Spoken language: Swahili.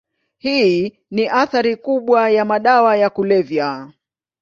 Hii ni athari kubwa ya madawa ya kulevya.